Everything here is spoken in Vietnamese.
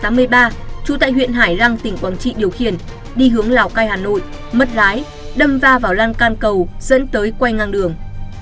trú tại huyện hải lăng tỉnh quảng trị điều khiển đi hướng lào cai hà nội mất lái đâm va vào lăng can cầu dẫn tới quay ngang đường